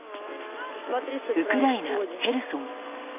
ウクライナ・ヘルソン。